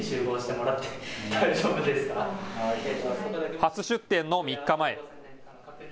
初出店の３日前。